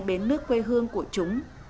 bến nước quê hương của chúng